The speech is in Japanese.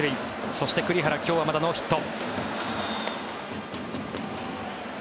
そして、栗原今日はまだノーヒット。